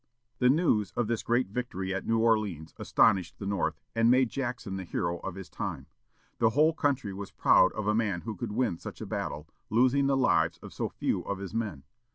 The news of this great victory at New Orleans astonished the North, and made Jackson the hero of his time. The whole country was proud of a man who could win such a battle, losing the lives of so few of his men.